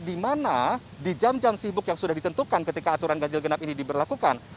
di mana di jam jam sibuk yang sudah ditentukan ketika aturan ganjil genap ini diberlakukan